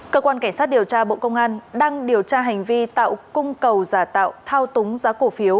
cơ quan cảnh sát điều tra bộ công an đang điều tra hành vi tạo cung cầu giả tạo thao túng giá cổ phiếu